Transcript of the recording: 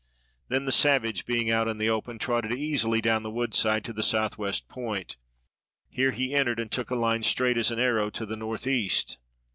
Then the savage, being out in the open, trotted easily down the woodside to the southwest point; here he entered and took a line straight as an arrow to the northeast.